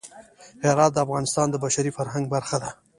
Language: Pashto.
هرات د افغانستان د بشري فرهنګ برخه ده.